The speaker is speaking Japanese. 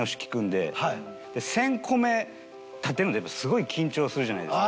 で１０００個目立てるのってやっぱすごい緊張するじゃないですか。